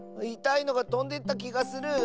いたいのがとんでったきがする！